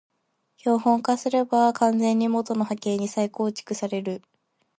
標本化すれば完全に元の波形に再構成される